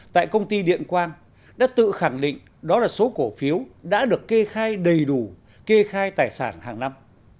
tại công ty điện quang đã tự khẳng định đó là số cổ phiếu đã được kê khai đầy đủ kê khai tài sản hàng năm